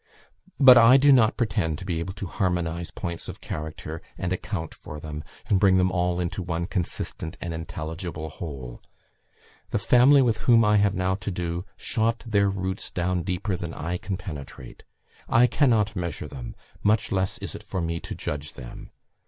But I do not pretend to be able to harmonize points of character, and account for them, and bring them all into one consistent and intelligible whole. The family with whom I have now to do shot their roots down deeper than I can penetrate. I cannot measure them, much less is it for me to judge them.